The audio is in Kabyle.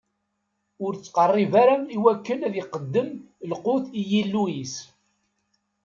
Ur ittqerrib ara iwakken ad iqeddem lqut n Yillu-is.